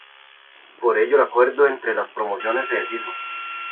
Por ello, el acuerdo entre las promociones se deshizo.